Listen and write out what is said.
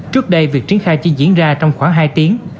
trước đây việc triển khai chỉ diễn ra trong khoảng hai tiếng